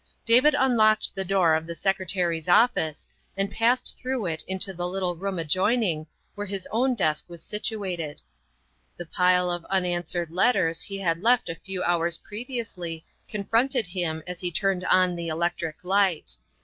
David unlocked the door of the Secretary's office and passed through it into the little room adjoining, where his own desk was situated. The pile of unanswered letters he had left a few hours previously confronted him as he turned on the electric light.